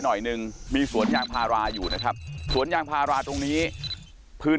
หน่อยหนึ่งมีสวนยางพาราอยู่นะครับสวนยางพาราตรงนี้พื้น